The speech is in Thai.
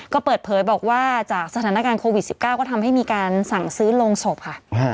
ก็เปิดเผยบอกว่าจากสถานการณ์โควิด๑๙ก็ทำให้มีการสั่งซื้อโรงศพค่ะ